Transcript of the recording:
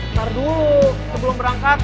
ntar dulu sebelum berangkat